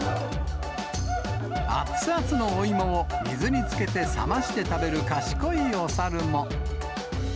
熱々のお芋を水につけて冷まして食べる賢いおサルも。